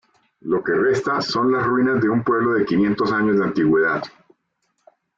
Lo que resta son las ruinas de un pueblo de quinientos años de antigüedad.